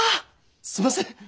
すんません。